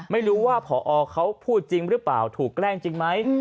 ไม่รู้ว่าพอเขาพูดจริงหรือเปล่าถูกแกล้งจริงไหม